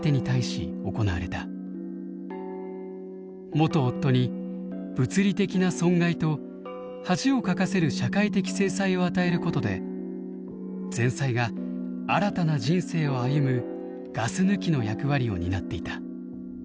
元夫に物理的な損害と恥をかかせる社会的制裁を与えることで前妻が新たな人生を歩むガス抜きの役割を担っていた。